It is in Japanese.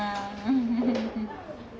フフフフ。